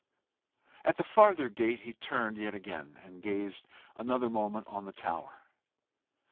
At the farther gate he turned yet again, and gazed another moment on the tower.